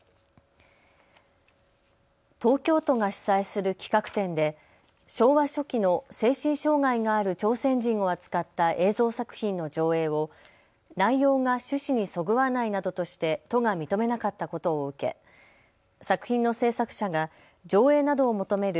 東京都が主催する企画展で昭和初期の精神障害がある朝鮮人を扱った映像作品の上映を内容が趣旨にそぐわないなどとして都が認めなかったことを受け、作品の制作者が上映などを求める